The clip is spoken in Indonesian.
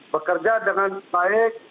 bekerja dengan baik